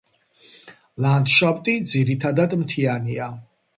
ლანდშაფტი ძირითადად მთიანია.